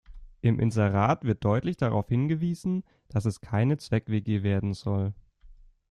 Im Inserat wird deutlich darauf hingewiesen, dass es keine Zweck-WG werden soll.